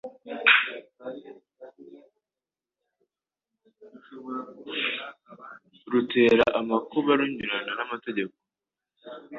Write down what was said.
rutera amakuba runyuranya n’amategeko?